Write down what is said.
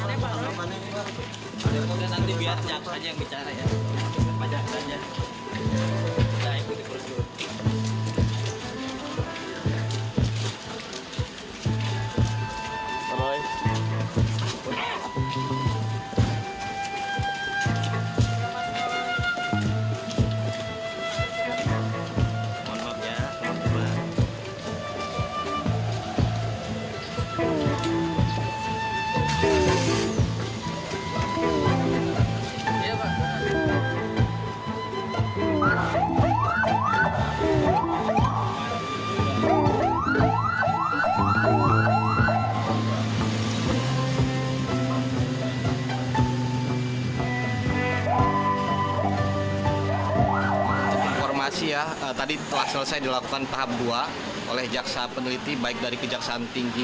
informasi ya tadi telah selesai dilakukan tahap dua oleh jaksa peneliti baik dari kejaksaan tinggi